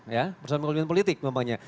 ya persoalan pemimpin politik memangnya